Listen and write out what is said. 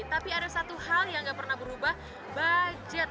tapi ada satu hal yang nggak pernah berubah budget